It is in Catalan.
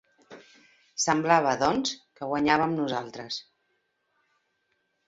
Semblava, doncs, que guanyàvem nosaltres.